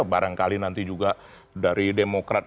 barangkali nanti juga dari demokrat